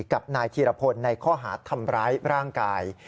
กับนายธีรพลในข้อหาทำร้ายร่างกาย